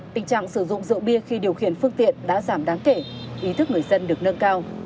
tình trạng sử dụng rượu bia khi điều khiển phương tiện đã giảm đáng kể ý thức người dân được nâng cao